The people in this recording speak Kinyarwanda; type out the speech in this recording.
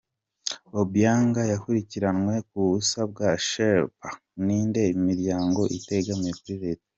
Obiang yakurikiranwe ku busabe bwa Sherpa n’indi miryango itegamiye kuri leta.